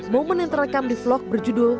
momen yang terekam di vlog berjudul